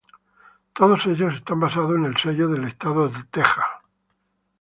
Todos ellos están basados en el sello del estado de Texas.